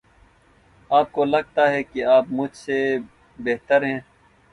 آپ کو لگتا ہے کہ آپ مجھ سے بہتر ہیں۔